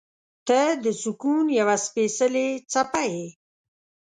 • ته د سکون یوه سپېڅلې څپه یې.